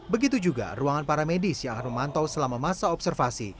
begitu juga ruangan paramedis yang memantau selama masa observasi